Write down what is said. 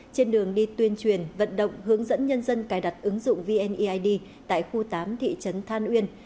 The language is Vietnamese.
trên đường đi tuyên truyền vận động hướng dẫn nhân dân cài đặt ứng dụng vneid tại khu tám thị trấn than uyên